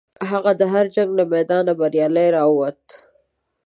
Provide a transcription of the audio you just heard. هغه د هر جنګ له میدانه بریالی راووت.